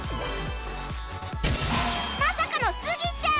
まさかのスギちゃん